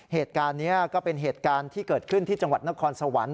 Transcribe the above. เหตุการณ์นี้ก็เป็นเหตุการณ์ที่เกิดขึ้นที่จังหวัดนครสวรรค์